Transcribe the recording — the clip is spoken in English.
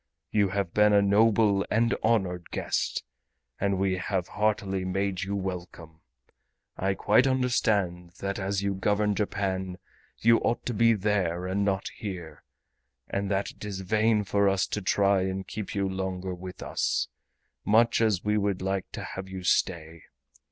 You have been a noble and honored guest and we have heartily made you welcome. I quite understand that as you govern Japan you ought to be there and not here, and that it is vain for us to try and keep you longer with us, much as we would like to have you stay.